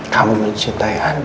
kamu mencintai andi